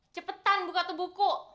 cepetan buka tuh buku